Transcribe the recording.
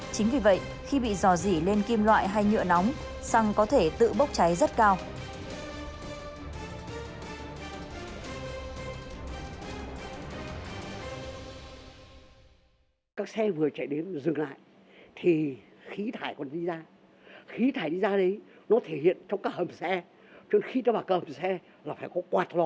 chính vì vậy khi bị dò dì lên kim loại hay nhựa nóng xăng có thể tự bốc cháy rất cao